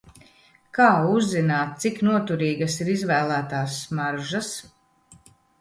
Kā uzzināt cik noturīgas ir izvēlētās smaržas?